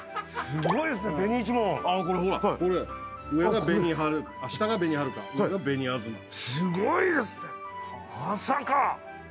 すごいですねまさかへぇ。